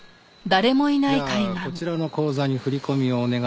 じゃあこちらの口座に振り込みをお願いしまーす。